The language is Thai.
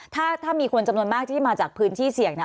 ถ้ามีคนจำนวนมากที่มาจากพื้นที่เสี่ยงเนี่ย